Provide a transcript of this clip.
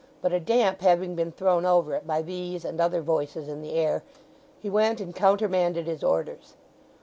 But a damp having been thrown over it by these and other voices in the air, he went and countermanded his orders.